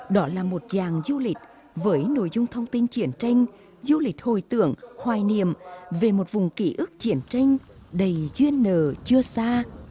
đó là một dàng du lịch với nội dung thông tin triển tranh du lịch hồi tưởng hoài niệm về một vùng kỷ ức triển tranh đầy duyên nở chưa xa